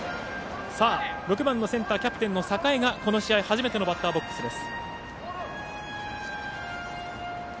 ６番のセンターキャプテンの榮がこの試合、初めてのバッターボックスです。